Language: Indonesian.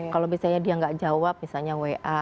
kalau misalnya dia nggak jawab misalnya wa